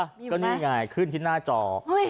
มีอยู่ไหมก็นี่ไงขึ้นที่หน้าจอเฮ้ย